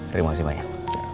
terima kasih banyak